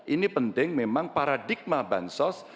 ini penting memang paradigma bansos